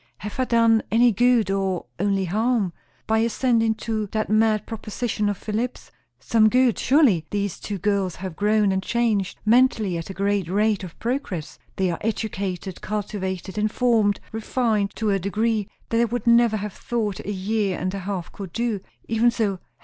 Have I done any good or only harm by acceding to that mad proposition of Philip's? Some good, surely; these two girls have grown and changed, mentally, at a great rate of progress; they are educated, cultivated, informed, refined, to a degree that I would never have thought a year and a half could do. Even so!